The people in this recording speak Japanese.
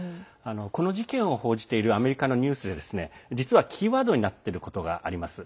この事件を報じているアメリカのニュースで実はキーワードになっている言葉があります。